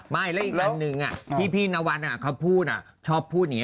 ไม่แล้วอีกอันหนึ่งที่พี่นวัดเขาพูดชอบพูดอย่างนี้